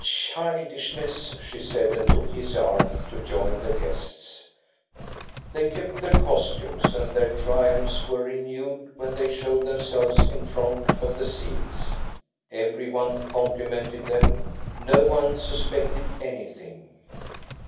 '' Childishness !'' she said, and took his arm to join the guests. They kept their costumes, and their triumphs were renewed when they showed themselves in front of the scenes. Every one complimented them. No one suspected anything.